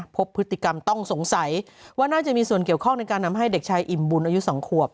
พบพฤติกรรมต้องสงสัยว่าน่าจะมีส่วนเกี่ยวข้องในการนำให้เด็กชายอิ่มบุญอายุ๒ขวบ